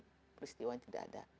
bukan berarti peristiwa tidak ada